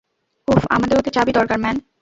উহ, আমার ওদের চাবি দরকার, ম্যান।